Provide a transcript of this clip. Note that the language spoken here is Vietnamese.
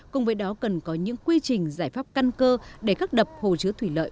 cùng với đó cần có những quy trình giải pháp căn cơ để các đập hồ chứa thủy lợi